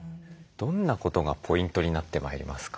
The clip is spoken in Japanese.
どんなことがポイントになってまいりますか？